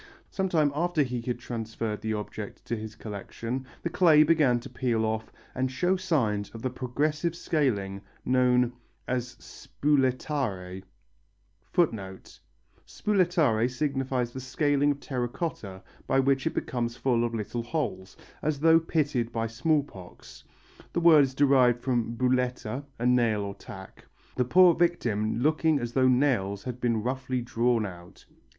Some time after he had transferred the object to his collection the clay began to peel off and show signs of the progressive scaling usually called sbullettare. "Sbullettare" signifies the scaling of terra cotta by which it becomes full of little holes, as though pitted by small pox. The word is derived from bulletta (a nail or tack), the poor victim looking as though nails had been roughly drawn out.